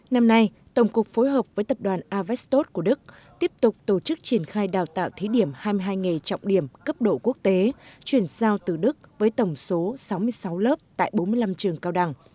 năm nay tổng cục phối hợp với tập đoàn avestot của đức tiếp tục tổ chức triển khai đào tạo thí điểm hai mươi hai nghề trọng điểm cấp độ quốc tế chuyển giao từ đức với tổng số sáu mươi sáu lớp tại bốn mươi năm trường cao đẳng